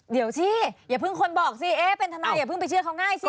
เดี๋ยวสิอย่าเพิ่งคนบอกสิเอ๊ะเป็นทนายอย่าเพิ่งไปเชื่อเขาง่ายสิ